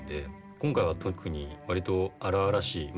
今回は特に割と荒々しいま